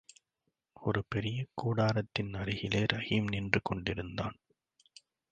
ஒரு பெரிய கூடாரத்தின் அருகிலே ரஹீம் நின்று கொண்டிருந்தான்.